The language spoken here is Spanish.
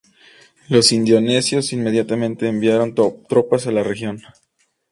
Los indonesios inmediatamente envió tropas a la región.